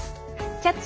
「キャッチ！